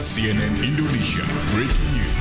cnn indonesia breaking news